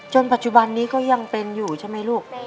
ปัจจุบันนี้ก็ยังเป็นอยู่ใช่ไหมลูก